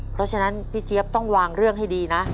เพราะฉะนั้นพี่เจี๊ยบต้องวางเรื่องให้ดีนะ